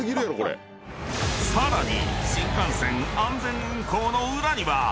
［さらに］